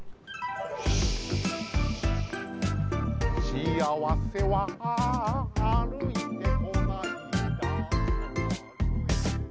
「しあわせは歩いてこない」